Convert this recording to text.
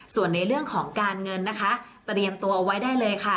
ส่วนในเรื่องของการเงินนะคะเตรียมตัวเอาไว้ได้เลยค่ะ